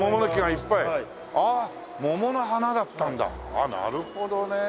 ああなるほどね。